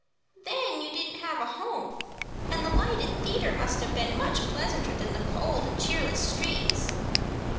"Then you didn't have a home, and the lighted theatre must have been much pleasanter than the cold and cheerless streets."